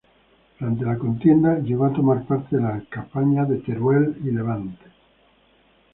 Durante la contienda llegó a tomar parte en las campañas de Teruel y Levante.